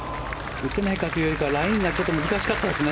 打てないかというよりはラインがちょっと難しかったですね。